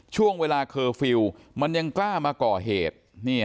ช่วงเวลาเคอร์ฟิลล์มันยังกล้ามาก่อเหตุ